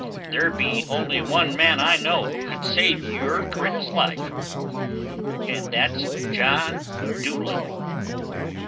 There be only one man I know who could save yon crittur's life. And that's John Dolittle."